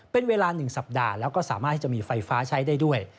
เป็นเวลา๑สัปดาห์แล้วก็สามารถที่จะมีไฟฟ้าใช้ได้ด้วย